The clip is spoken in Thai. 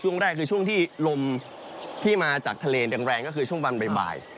ช่วงแรกคือช่วงที่ลมที่มาจากทะเลแรงก็คือช่วงบันบ่าย